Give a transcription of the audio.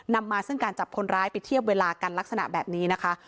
นำมาซึ่งการจับคนร้ายไปเทียบเวลากันลักษณะแบบนี้นะคะ